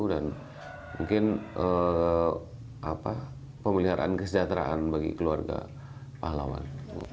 dan mungkin pemeliharaan kesejahteraan bagi keluarga pahlawan